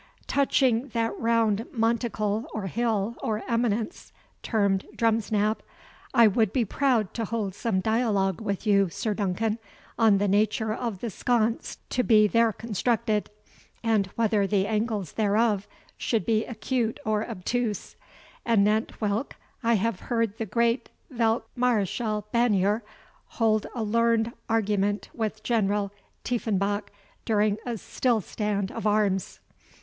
"Touching that round monticle, or hill, or eminence, termed Drumsnab, I would be proud to hold some dialogue with you, Sir Duncan, on the nature of the sconce to be there constructed; and whether the angles thereof should be acute or obtuse anent whilk I have heard the great Velt Mareschal Bannier hold a learned argument with General Tiefenbach during a still stand of arms."